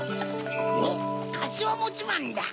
おっかしわもちまんだ！